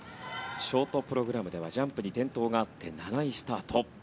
ショートプログラムではジャンプに転倒があって７位スタート。